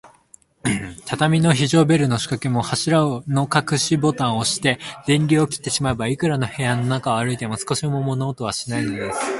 畳の非常ベルのしかけも、柱のかくしボタンをおして、電流を切ってしまえば、いくら部屋の中を歩いても、少しも物音はしないのです。